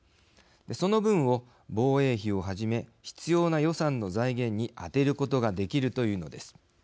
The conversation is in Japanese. その分を、防衛費をはじめ必要な予算の財源に充てることができるというのです。